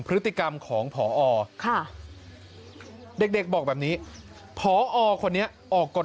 พฤติกรรมของพอค่ะเด็กบอกแบบนี้พอคนนี้ออกกฎ